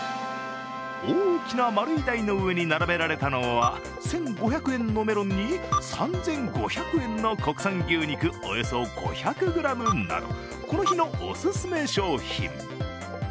大きな丸い台の上に並べられたのは１５００円のメロンに、３５００円の国産牛肉およそ５００ｇなど、この日のおすすめ商品。